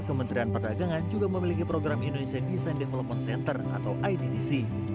kementerian perdagangan juga memiliki program indonesia design development center atau iddc